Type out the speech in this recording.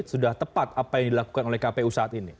sudah tepat apa yang dilakukan oleh kpu saat ini